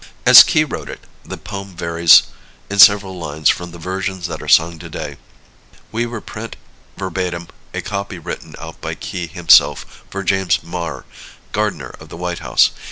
As Key wrote it, the poem varies in several lines from the versions that are sung to day. We reprint verbatim a copy written out by Key himself for James Maher, gardener of the White House.